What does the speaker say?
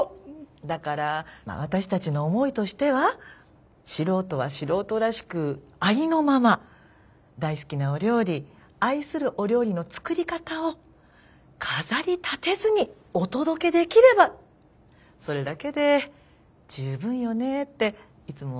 だから私たちの思いとしては素人は素人らしくありのまま大好きなお料理愛するお料理の作り方を飾りたてずにお届けできればそれだけで十分よねっていつも話してるのよねえ。